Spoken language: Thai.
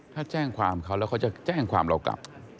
ถ้าแจ้งความเขาแล้วเขาจะแจ้งความเรากลับ